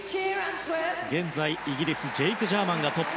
現在、イギリスジェイク・ジャーマンがトップ。